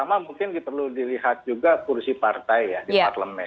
pertama mungkin perlu dilihat juga kursi partai ya di parlemen